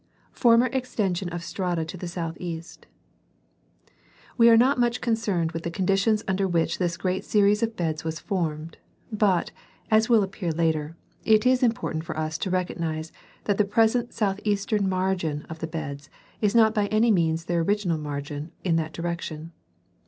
Former extension of strata to the southeast. — We are not much concerned with the conditions under which this great series of beds was formed ; but, as will appear later, it is important for us to recognize that the present southeastern margin of the beds is not by any means their original margin in that direction.